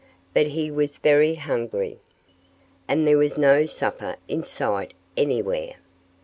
But he was very hungry. And there was no supper in sight anywhere.